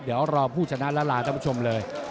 เดี๋ยวรอผู้ชนะและลาท่านผู้ชมเลย